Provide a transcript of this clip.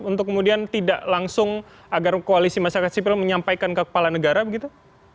untuk kemudian tidak langsung agar koalisi masyarakat sipil menyampaikan ke kepala negara begitu